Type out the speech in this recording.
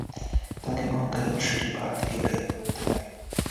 তাঁকে বহনকারী অশ্বটি পাহাড় বেয়ে উপরে উঠতে থাকে।